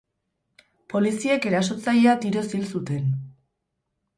Poliziek erasotzailea tiroz hil zuten.